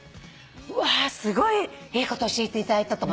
うわすごいいいこと教えていただいたと思って。